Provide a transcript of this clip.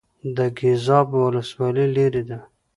د ګیزاب ولسوالۍ لیرې ده